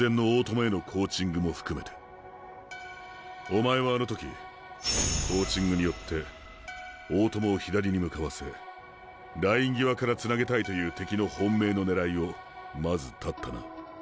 お前はあの時コーチングによって大友を左に向かわせライン際からつなげたいという敵の本命のねらいをまず断ったな。